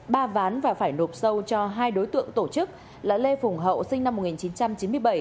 ba ván và phải nộp sâu cho hai đối tượng tổ chức là lê phùng hậu sinh năm một nghìn chín trăm chín mươi bảy